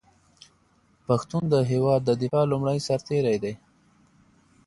پښتون د هېواد د دفاع لومړی سرتېری دی.